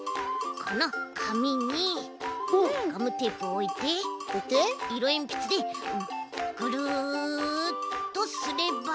このかみにガムテープをおいていろえんぴつでぐるっとすれば。